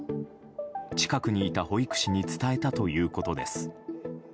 近くにいた保育士に伝えたということです。